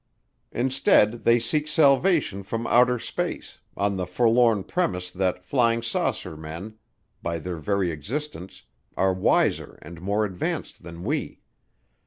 Instead, they seek salvation from outer space, on the forlorn premise that flying saucer men, by their very existence, are wiser and more advanced than we.